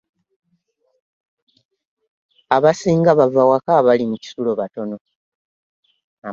Abasinga bava waka abali mu kisulo batono.